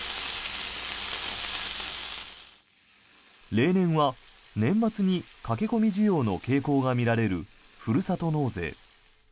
例年は年末に駆け込み需要の傾向が見られるふるさと納税。